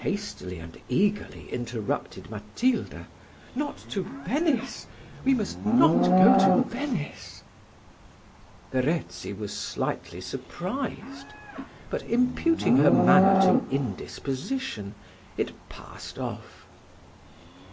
hastily and eagerly interrupted Matilda: "not to Venice we must not go to Venice." Verezzi was slightly surprised, but imputing her manner to indisposition, it passed off.